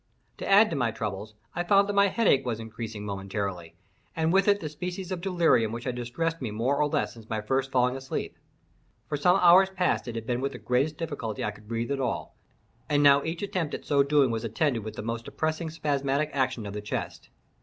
To add to my troubles, I found that my headache was increasing momentarily, and with it the species of delirium which had distressed me more or less since my first falling asleep. For some hours past it had been with the greatest difficulty I could breathe at all, and now each attempt at so doing was attended with the most depressing spasmodic action of the chest.